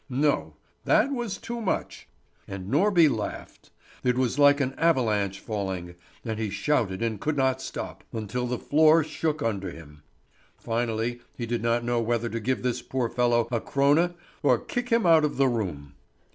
No, that was too much! And Norby laughed. It was like an avalanche falling, and he shouted and could not stop, until the floor shook under him. Finally he did not know whether to give this poor fellow a krone, or kick him out of the room.